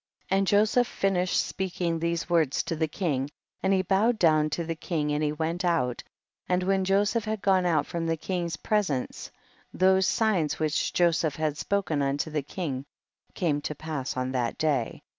64. And Joseph finished speaking these words to the king, and he bowed down to the king and he went out, and when Joseph had gone out from the king's presence, those signs which Joseph had spoken unto the king came to pass on that day.